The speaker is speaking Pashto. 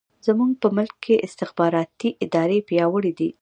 زموږ په ملک کې استخباراتي ادارې پیاوړې دي.